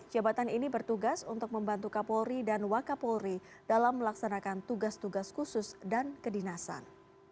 jabatan ini bertugas untuk membantu kapolri dan wakapolri dalam melaksanakan tugas tugas khusus dan kedinasan